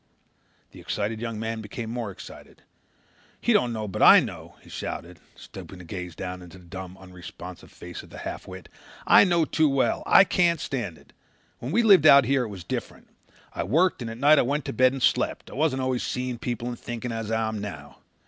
The excited young man became more excited. "He don't know but I know," he shouted, stopping to gaze down into the dumb, unresponsive face of the half wit. "I know too well. I can't stand it. When we lived out here it was different. I worked and at night I went to bed and slept. I wasn't always seeing people and thinking as I am now.